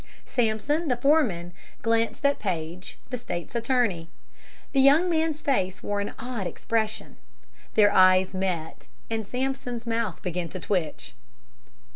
Sampson, the foreman, glanced at Paige, the state's attorney. The young man's face wore an odd expression. Their eyes met, and Sampson's mouth began to twitch.